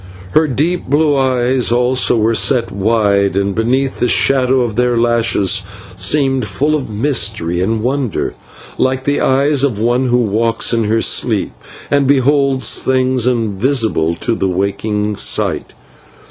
Her deep blue eyes also were set wide, and, beneath the shadow of their lashes, seemed full of mystery and wonder, like the eyes of one who walks in her sleep and beholds things invisible to the waking sight.